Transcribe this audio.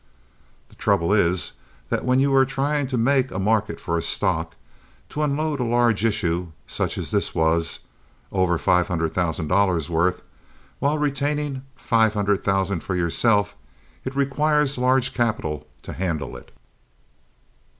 The trouble is that when you are trying to make a market for a stock—to unload a large issue such as his was (over five hundred thousand dollars' worth)—while retaining five hundred thousand for yourself, it requires large capital to handle it.